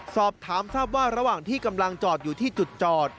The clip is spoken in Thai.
สอบถามทราบว่าระหว่างที่กำลังจอดอยู่ที่จุดจอด